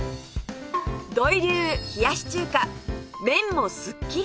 土井流冷やし中華麺もすっきり！